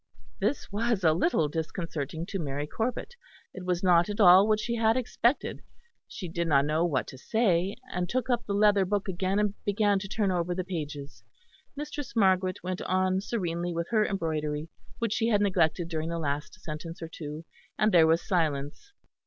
This was a little disconcerting to Mary Corbet; it was not at all what she had expected. She did not know what to say; and took up the leather book again and began to turn over the pages. Mistress Margaret went on serenely with her embroidery, which she had neglected during the last sentence or two; and there was silence.